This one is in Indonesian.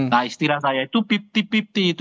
nah istilah saya itu